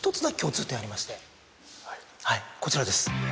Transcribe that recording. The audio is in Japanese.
はいこちらです。